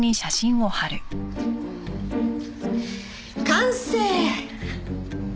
完成！